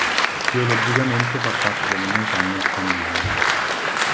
Geologicamente fa parte delle montagne scandinave.